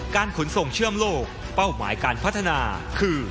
ขนส่งเชื่อมโลกเป้าหมายการพัฒนาคือ